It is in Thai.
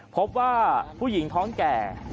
พบว่าผู้หญิงท้องแก่